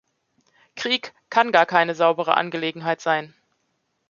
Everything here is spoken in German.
Krieg kann gar keine saubere Angelegenheit sein.